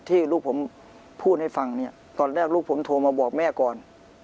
ที่ลูกผมพูดให้ฟังเนี่ยตอนแรกลูกผมโทรมาบอกแม่ก่อน